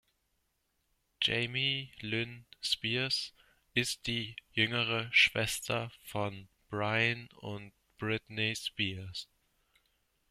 Jamie Lynn Spears ist die jüngere Schwester von Bryan und Britney Spears.